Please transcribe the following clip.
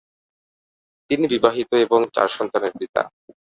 তিনি বিবাহিত এবং চার সন্তানের পিতা।